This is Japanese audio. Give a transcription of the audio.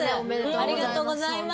ありがとうございます。